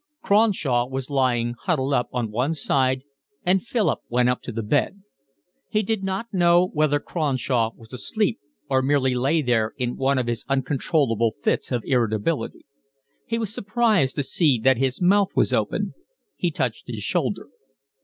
Cronshaw was lying huddled up on one side, and Philip went up to the bed. He did not know whether Cronshaw was asleep or merely lay there in one of his uncontrollable fits of irritability. He was surprised to see that his mouth was open. He touched his shoulder.